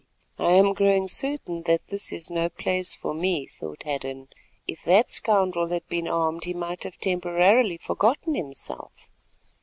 "I am growing certain that this is no place for me," thought Hadden; "if that scoundrel had been armed he might have temporarily forgotten himself.